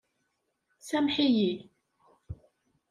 Sameḥ-iyi.